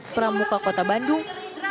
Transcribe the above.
pramuka kota bandung